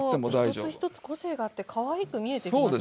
一つ一つ個性があってかわいく見えてきますよね。